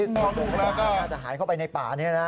พอหายไปก็จะหายเข้าไปในป่านี้นะ